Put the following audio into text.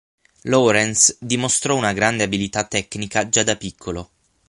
Laurens dimostrò una grande abilità tecnica già da piccolo.